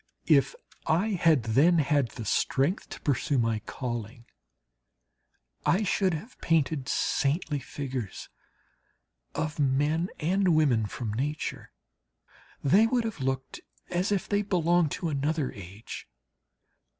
If I had then had the strength to pursue my calling, I should have painted saintly figures of men and women from nature. They would have looked as if they belonged to another age.